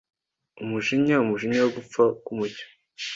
umujinya, umujinya wo gupfa k'umucyo